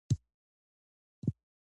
ډاکټران ژر ناروغان معاینه کوي.